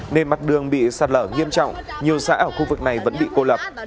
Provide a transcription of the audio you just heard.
nên mặt đường bị sạt lở nghiêm trọng nhiều xã ở khu vực này vẫn bị cô lập